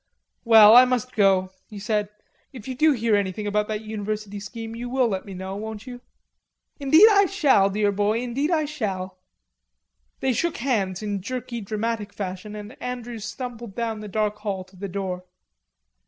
"Well, I must go," he said. "If you do hear anything about that university scheme, you will let me know, won't you?" "Indeed I shall, dear boy, indeed I shall." They shook hands in jerky dramatic fashion and Andrews stumbled down the dark hall to the door.